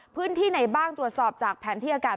พื้นที่ไหนบ้างตรวจสอบจากแผนที่อากาศ